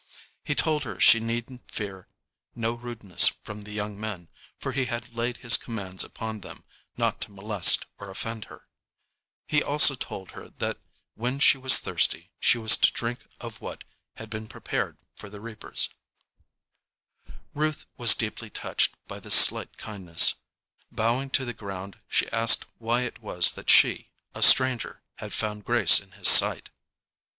He told her she need fear no rudeness from the young men, for he had laid his commands upon them not to molest or offend her. He also told her that when she was thirsty she was to drink of what had been prepared for the reapers. [Illustration: "SHE WAS NOT TO GLEAN IN ANY OTHER FIELDS."] Ruth was deeply touched by this slight kindness. Bowing to the ground she asked why it was that she, a stranger, had found grace in his sight.